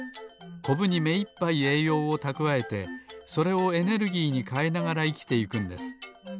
コブにめいっぱいえいようをたくわえてそれをエネルギーにかえながらいきていくんです。